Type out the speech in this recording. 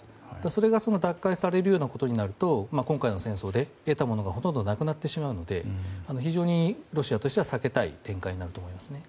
それが奪回されることになると今回の戦争で得たものがほとんどなくなってしまうので非常にロシアとしては避けたい展開になると思いますね。